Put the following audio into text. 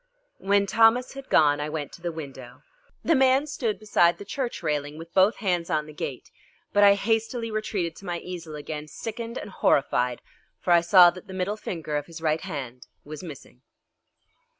When Thomas had gone I went to the window. The man stood beside the church railing with both hands on the gate, but I hastily retreated to my easel again, sickened and horrified, for I saw that the middle finger of his right hand was missing.